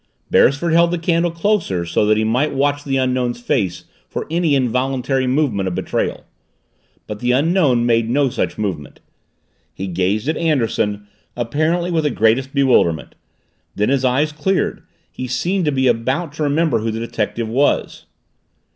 Beresford held the candle closer so that he might watch the Unknown's face for any involuntary movement of betrayal. But the Unknown made no such movement. He gazed at Anderson, apparently with the greatest bewilderment, then his eyes cleared, he seemed to be about to remember who the detective was.